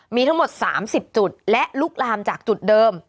มีทั้งหมด๓๐จุดและลุกลามจากจุดเดิม